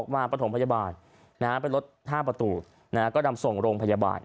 มาประถมพยาบาลเป็นรถ๕ประตูก็นำส่งโรงพยาบาล